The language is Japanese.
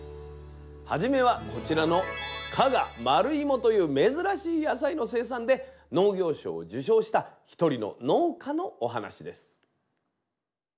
初めはこちらの加賀丸いもという珍しい野菜の生産で農業賞を受賞した一人の農家のお話です。